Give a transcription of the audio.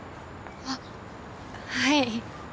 あっはい。